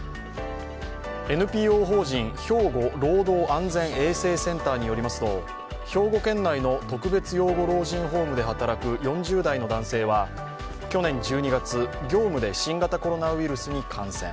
ＮＰＯ法人・ひょうご労働安全衛生センターによりますと兵庫県内の特別養護老人ホームで働く４０代の男性は去年１２月、業務で新型コロナウイルスに感染。